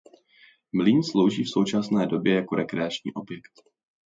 Mlýn slouží v současné době jako rekreační objekt.